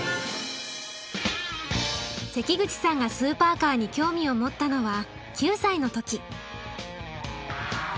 関口さんがスーパーカーに興味を持ったのは９歳の時。